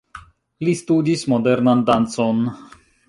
Li studis modernan dancon.